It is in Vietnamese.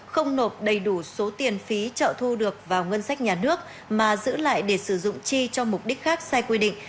không nộp đầy đủ số tiền phí trợ thu được vào ngân sách nhà nước mà giữ lại để sử dụng chi cho mục đích khác sai quy định